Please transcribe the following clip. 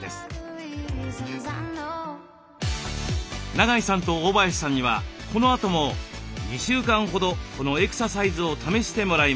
長井さんと大林さんにはこのあとも２週間ほどこのエクササイズを試してもらいました。